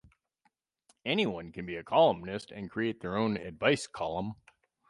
Anyone can be a columnist and create their own advice column.